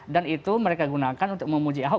dan itu mereka gunakan untuk memuji ahok